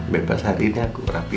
bebas hari ini aku merapi